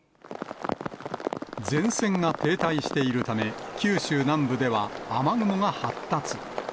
前線が停滞しているため、九州南部では雨雲が発達。